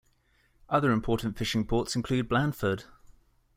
Other important fishing ports include Blandford.